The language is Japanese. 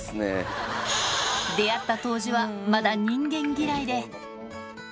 出会った当時はまだ人間嫌いで。